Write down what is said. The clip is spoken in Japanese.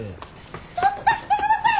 ちょっと来てください！